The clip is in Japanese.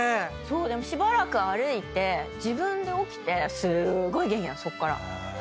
でもしばらく歩いて自分で起きてすーごい元気なのそっから。